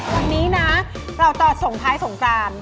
วันนี้นะเราตอบส่งท้ายส่งการ